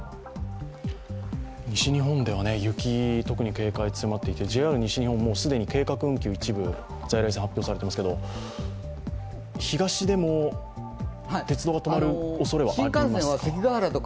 西日本では雪、特に警戒が強まっていて、ＪＲ西日本、もう既に計画運休を一部在来線で発表されていますけど東でも鉄道が止まるおそれはありますか？